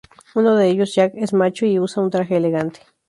Uno de ellos, Jack, es macho y usa un traje elegante.